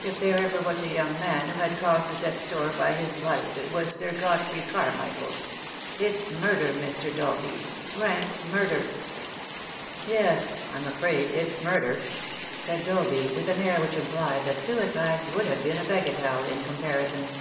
If ever there was a young man who had cause to set store by his life it was Sir Godfrey Carmichael. It's murder, Mr. Dolby, rank murder." "Yes, I'm afraid it's murder," said Dolby, with an air which implied that suicide would have been a baga telle in comparison.